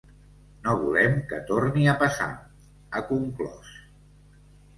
No volem que torni a passar, ha conclòs.